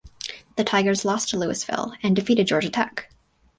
The Tigers lost to Louisville and defeated Georgia Tech.